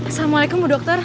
assalamualaikum bu dokter